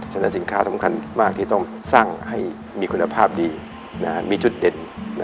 ฉะนั้นสินค้าสำคัญมากที่ต้องสร้างให้มีคุณภาพดีมีจุดเด่น